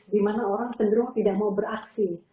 dimana orang cenderung tidak mau beraksi